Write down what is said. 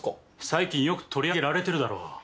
最近よく取り上げられてるだろ。